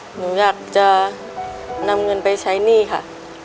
หนูอยากจะนำเงินไปใช้หนี้ค่ะ